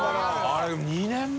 あれ２年前？